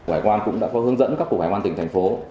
hải quan cũng đã có hướng dẫn các cục hải quan tỉnh thành phố